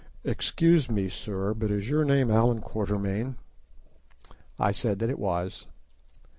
"Excuse me, sir, but is your name Allan Quatermain?" I said that it was.